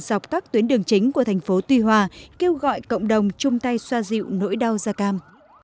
dọc các tuyến đường chính của thành phố tuy hòa kêu gọi cộng đồng chung tay xoa dịu nỗi đau da cam